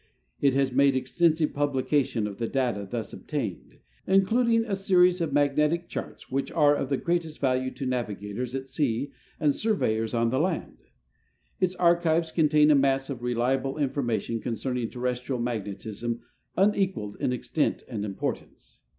It has made extensive publication of the data thus obtained, in cluding a series of magnetic charts which are of the greatest value to navigators at sea and surveyors on the land. Its archives contain a mass of reliable information concerning terrestrial magnetism unequaled in extent and importance.